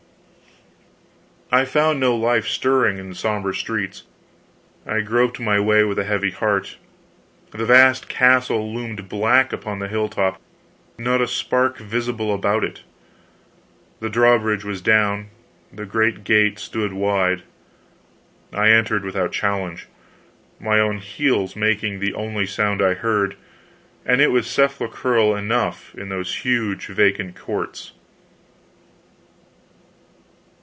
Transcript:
I found no life stirring in the somber streets. I groped my way with a heavy heart. The vast castle loomed black upon the hilltop, not a spark visible about it. The drawbridge was down, the great gate stood wide, I entered without challenge, my own heels making the only sound I heard and it was sepulchral enough, in those huge vacant courts.